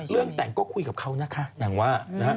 เรื่องแต่งก็คุยกับเขานะคะนางว่า